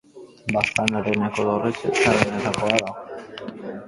Baztan haraneko dorretxe zaharrenetakoa da.